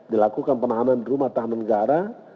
dilakukan penahanan di rumah tahanan negara